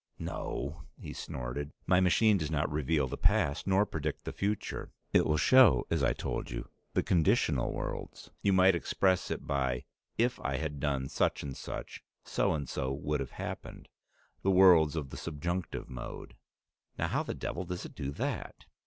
"No!" he snorted. "My machine does not reveal the past nor predict the future. It will show, as I told you, the conditional worlds. You might express it, by 'if I had done such and such, so and so would have happened.' The worlds of the subjunctive mode." "Now how the devil does it do that?"